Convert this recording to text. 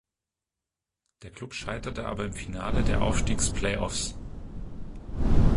Der Club scheiterte aber im Finale der Aufstiegs-Play-offs.